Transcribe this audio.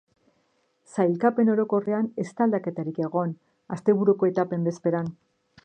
Sailkapen orokorrean ez da aldaketarik egon, asteburuko etapen bezperan.